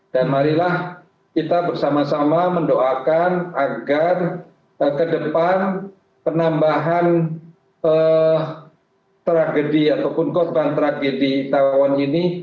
dan marilah kita bersama sama mendoakan agar ke depan penambahan tragedi ataupun korban tragedi tahun ini